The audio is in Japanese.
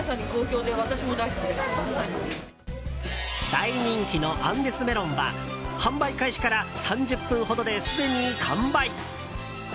大人気のアンデスメロンは販売開始から３０分ほどですでに完売。